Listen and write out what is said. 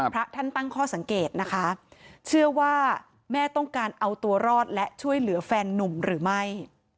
พระท่านตั้งข้อสังเกตนะคะเชื่อว่าแม่ต้องการเอาตัวรอดและช่วยเหลือแฟนนุ่มหรือไม่